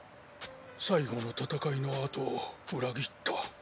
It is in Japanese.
最後の戦いのあと裏切った。